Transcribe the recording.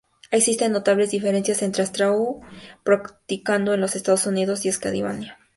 Existen notables diferencias entre "Ásatrú" practicado en los Estados Unidos y Escandinavia.